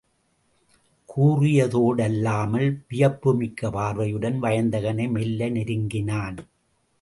கூறிய தோடல்லாமல் வியப்புமிக்க பார்வையுடன் வயந்தகனை மெல்ல நெருங்கினான்.